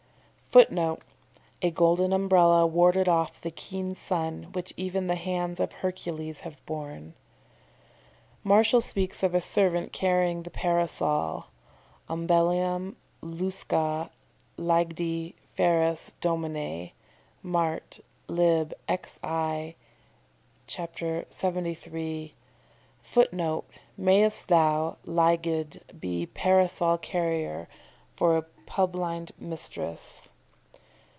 [Footnote: "A golden umbrella warded off the keen sun, which even the hands of Hercules have borne."] Martial speaks of a servant carrying the Parasol: "Umbellam lusca, Lygde feras Dominæ." Mart., lib. xi., ch. 73. [Footnote: "Mayst thou, Lygde, be parasol carrier for a publind mistress."